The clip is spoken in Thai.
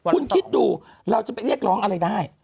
คุณคิดดูเราจะไปเรียกร้องอะไรได้